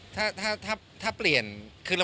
ครับเขาคงเปลี่ยนไปไหม